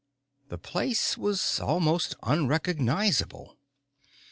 The place was almost unrecognizable.